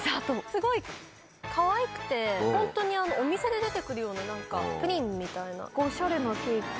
すごいかわいくてホントにお店で出て来るようなプリンみたいなおしゃれなケーキ。